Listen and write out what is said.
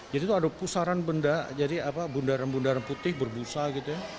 jadi itu ada pusaran benda jadi apa bundaran bundaran putih berbusa gitu ya